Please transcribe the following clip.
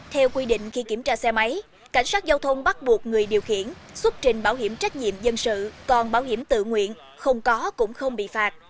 theo quy định khi kiểm tra xe máy cảnh sát giao thông bắt buộc người điều khiển xuất trình bảo hiểm trách nhiệm dân sự còn bảo hiểm tự nguyện không có cũng không bị phạt